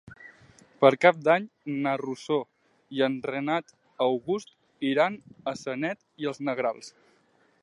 Per Cap d'Any na Rosó i en Renat August iran a Sanet i els Negrals.